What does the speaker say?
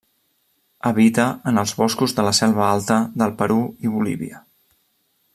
Habita en els boscos de la selva alta del Perú i Bolívia.